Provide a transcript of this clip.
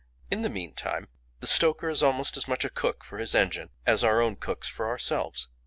"In the meantime the stoker is almost as much a cook for his engine as our own cooks for ourselves.